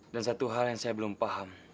dan satu hal yang saya belum paham